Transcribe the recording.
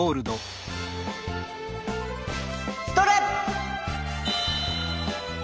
ストレッ！